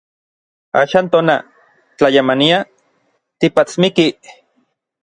Axan tona, tlayamania, tipatsmikij.